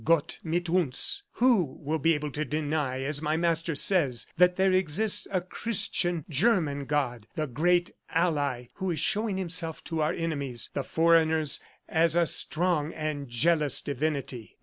Gott mit uns! "Who will be able to deny, as my master says, that there exists a Christian, German God, the 'Great Ally,' who is showing himself to our enemies, the foreigners, as a strong and jealous divinity?"